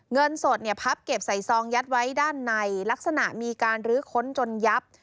เงินสดเนี่ยพับเก็บใส่ซองยัดไว้ด้านในลักษณะมีการลื้อค้นจนยับ